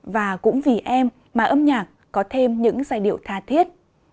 và cũng vì em mà âm nhạc có thêm những giai điệu tha thiết